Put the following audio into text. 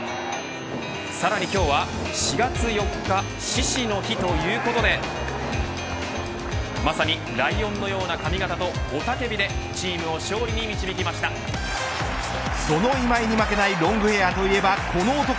さらに今日は４月４日獅子の日ということでまさにライオンのような髪型と雄たけびでその今井に負けないロングヘアといえばこの男。